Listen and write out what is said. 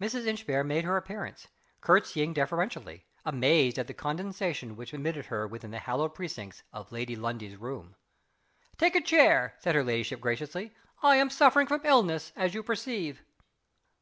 Mrs. Inchbare made her appearance, courtesying deferentially; amazed at the condescension which admitted her within the hallowed precincts of Lady Lundie's room. "Take a chair," said her ladyship, graciously. "I am suffering from illness, as you perceive."